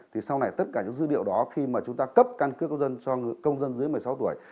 thì sau này tất cả những dữ liệu đó khi mà chúng ta cấp căn cước công dân cho công dân dưới một mươi sáu tuổi